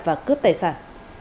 và cướp tài sản